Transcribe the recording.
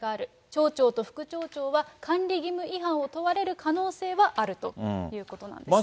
町長と副町長は、管理義務違反を問われる可能性はあるということなんです。